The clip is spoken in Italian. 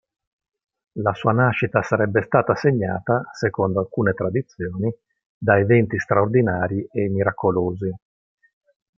La sua nascita sarebbe stata segnata, secondo alcune tradizioni, da eventi straordinari e miracolosi.